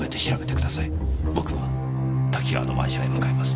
僕は多岐川のマンションへ向かいます。